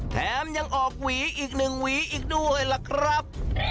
แถมยังออกหวีอีกหนึ่งหวีอีกด้วยล่ะครับ